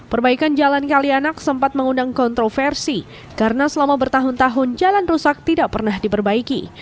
perbaikan jalan kalianak sempat mengundang kontroversi karena selama bertahun tahun jalan rusak tidak pernah diperbaiki